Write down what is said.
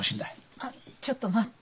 あっちょっと待って。